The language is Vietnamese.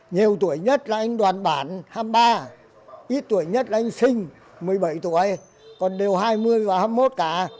nhiều tuổi nhất là anh đoàn bản hai mươi ba ít tuổi nhất là anh sinh một mươi bảy tuổi còn đều hai mươi và hai mươi một cả